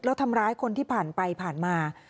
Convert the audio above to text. แล้วทำร้ายคนที่ผ่านไปผ่านมา